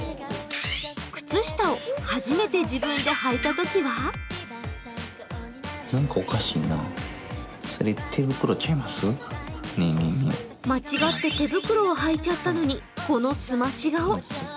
靴下を初めて自分ではいたときは間違って手袋をはいちゃったのにこの澄まし顔。